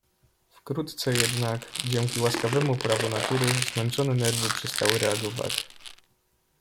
"Wkrótce jednak, dzięki łaskawemu prawu Natury, zmęczone nerwy przestały reagować."